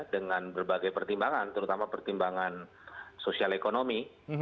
dengan berbagai pertimbangan terutama pertimbangan sosial ekonomi